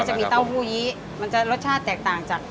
จะมีเต้าหู้ยี้มันจะรสชาติแตกต่างจาก